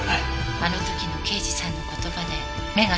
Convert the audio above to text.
あの時の刑事さんの言葉で目が覚めました。